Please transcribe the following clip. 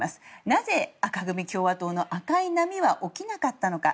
なぜ赤組・共和党の赤い波は起きなかったのか。